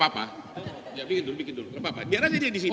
biar aja dia di sini